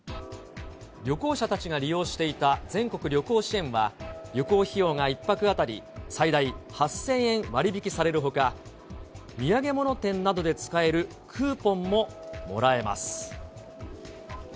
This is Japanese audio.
旅行者たちが利用していた全国旅行支援は、旅行費用が１泊当たり最大８０００円割引されるほか、土産物店などで使えるクーポンももらえます。